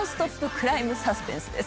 ・クライム・サスペンスです。